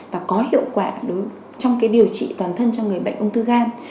và có hiệu quả trong điều trị toàn thân cho người bệnh ung thư gan